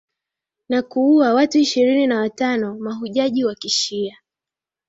na kuua watu ishirini na watano mahujaji wa kishia